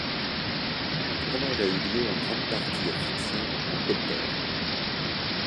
Le tournage a eu lieu en grande partie à Fixin, en Côte-d'Or.